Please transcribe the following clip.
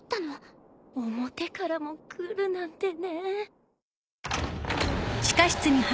表からも来るなんてね。